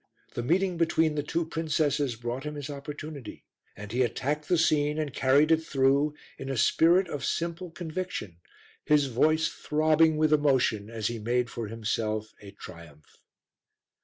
The meeting between the two princesses brought him his opportunity and he attacked the scene and carried it through in a spirit of simple conviction, his voice throbbing with emotion as he made for himself a triumph.